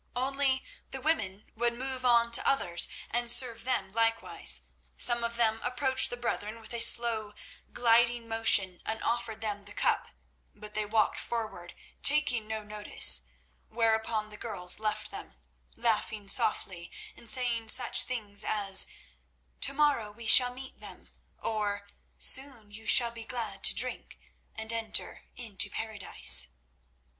Only the women would move on to others and serve them likewise. Some of them approached the brethren with a slow, gliding motion, and offered them the cup; but they walked forward, taking no notice, whereupon the girls left them, laughing softly, and saying such things as "Tomorrow we shall meet," or "Soon you will be glad to drink and enter into Paradise."